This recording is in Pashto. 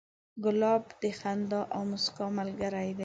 ګلاب د خندا او موسکا ملګری دی.